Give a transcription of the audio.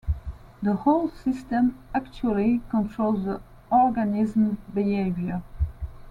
The whole system actually controls the organism's behavior.